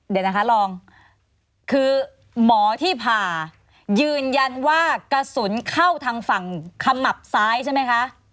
เดี๋ยวนะคะลองคือหมอที่ผ่ายืนยันว่ากระสุนเข้าทางฝั่งขมับซ้ายใช่ไหมคะ